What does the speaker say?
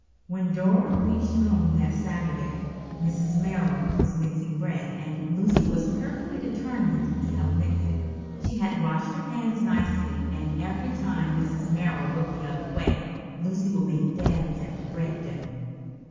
When Dora reached home that Saturday, Mrs. Merrill was mixing bread and Lucy was perfectly determined to help mix it. She had washed her hands nicely and every time Mrs. Merrill looked the other way Lucy would make dabs at the bread dough.